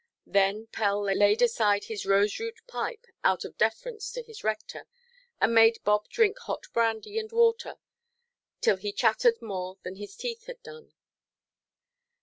Then Pell laid aside his rose–root pipe out of deference to his rector, and made Bob drink hot brandy–and–water till he chattered more than his teeth had done.